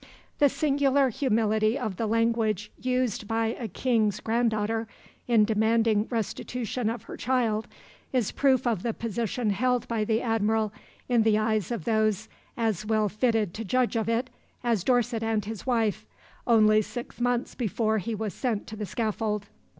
The singular humility of the language used by a king's grand daughter in demanding restitution of her child is proof of the position held by the Admiral in the eyes of those as well fitted to judge of it as Dorset and his wife, only six months before he was sent to the scaffold.